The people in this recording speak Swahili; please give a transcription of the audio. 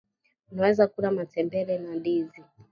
unaweza kula matembele na ndizi